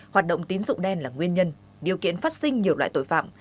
hoạt động tín dụng đen là nguyên nhân điều kiện phát sinh nhiều loại tội phạm